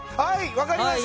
分かりました。